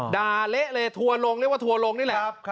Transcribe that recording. ด่าเละเละถั่วลงเรียกว่าถั่วลงนี่แหละ